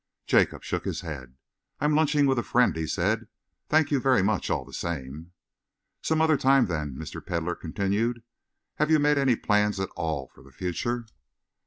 Jacob shook his head. "I am lunching with a friend," he said. "Thank you very much, all the same." "Some other time, then," Mr. Pedlar continued. "Have you made any plans at all for the future?"